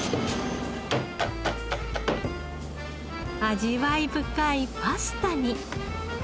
味わい深いパスタに。